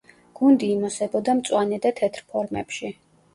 გუნდი იმოსებოდა მწვანე და თეთრ ფორმებში.